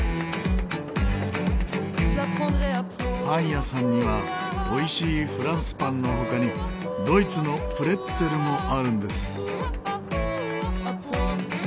パン屋さんにはおいしいフランスパンの他にドイツのプレッツェルもあるんです。